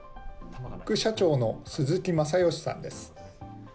副社長の鈴木雅剛さんです。